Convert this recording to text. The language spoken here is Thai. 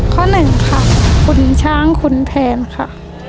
ข้อ๑ค่ะขุนช้างขุนแผนค่ะ